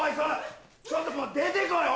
ちょっともう出て来い！